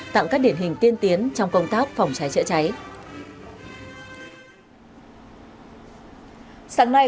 tặng các điển hình tiên tiến trong công tác phòng cháy chữa cháy